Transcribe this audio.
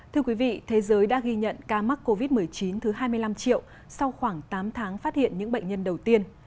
thưa quý vị thế giới đã ghi nhận ca mắc covid một mươi chín thứ hai mươi năm triệu sau khoảng tám tháng phát hiện những bệnh nhân đầu tiên